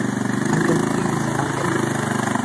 Uncle, please uncle.